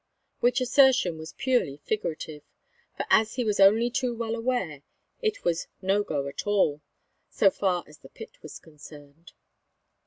Which assertion was purely figurative; for as he was only too well aware it was "no go" at all, so far as the pit was concerned.